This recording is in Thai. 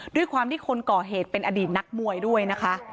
ด้วยความที่คนก่อเหตุเป็นอดีตนักมวยด้วยนะคะ